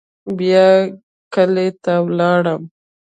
بيا کلي ته ولاړم.